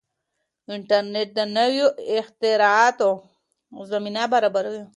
انټرنیټ د نویو اختراعاتو زمینه برابروي.